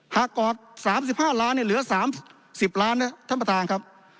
หากออกสามสิบห้าล้านเนี่ยเหลือสามสิบล้านครับท่านประทานครับ